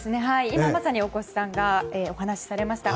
今、まさに大越さんがお話しされました。